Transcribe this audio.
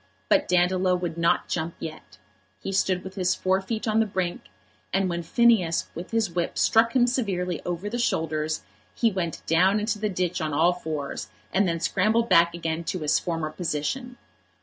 But Dandolo would not jump yet. He stood with his fore feet on the brink, and when Phineas with his whip struck him severely over the shoulders, he went down into the ditch on all fours, and then scrambled back again to his former position.